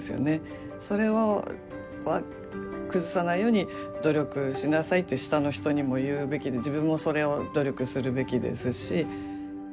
それは崩さないように努力しなさいって下の人にも言うべきで自分もそれを努力するべきですし。